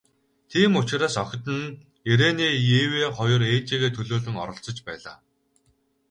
Тийм учраас охид нь, Ирене Эве хоёр ээжийгээ төлөөлөн оролцож байлаа.